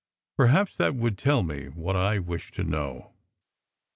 Perhaps that would tell me what I wished to know